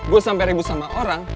gue sampe ribut sama orang